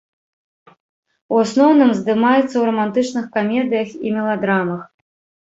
У асноўным здымаецца ў рамантычных камедыях і меладрамах.